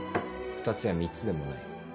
「２つや３つでもない」